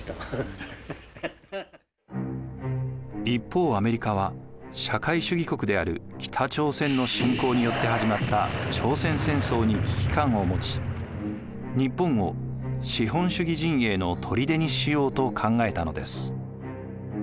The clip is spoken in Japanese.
一方アメリカは社会主義国である北朝鮮の侵攻によって始まった朝鮮戦争に危機感を持ち日本を資本主義陣営のとりでにしようと考えたのです。